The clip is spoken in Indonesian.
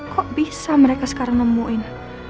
kok bisa mereka sekarang nemuin